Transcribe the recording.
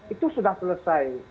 itu sudah selesai